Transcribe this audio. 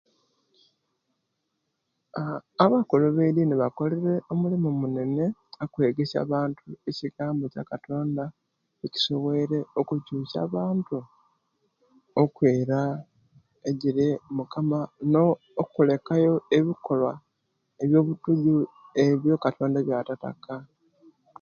Aah abakulu be dini bakolere omulimu munene okwegesya abantu ekigambo kyakatonda ekisobwoire okukyusa abantu okwira ejiri mukama ne okulekayo ebikolwa ebyo butujo ebyo katonda ebya tataka